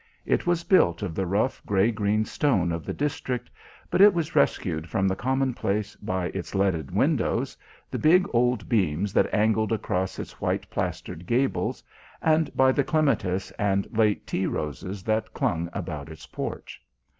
It was built of the rough grey green stone of the district, but it was rescued from the commonplace by its leaded windows, the big old beams that angled across its white plastered gables, and by the clematis and late tea roses that clung about its porch.